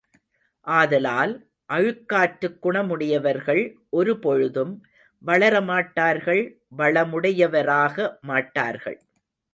ஆதலால், அழுக்காற்றுக் குணமுடையவர்கள் ஒரு பொழுதும் வளரமாட்டார்கள் வளமுடையவராக மாட்டார்கள்.